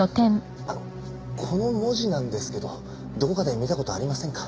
あのこの文字なんですけどどこかで見た事ありませんか？